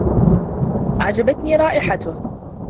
أعجبتني رائحته.